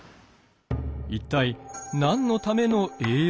一体何のための栄養なのか？